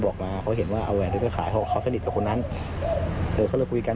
ใช่ขนาดนั้นเขารู้ใช่กัน